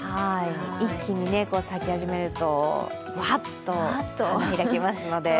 一気に咲き始めると、ワッと花開きますので。